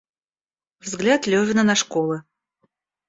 Взгляд Левина на школы.